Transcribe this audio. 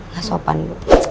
gak sopan bu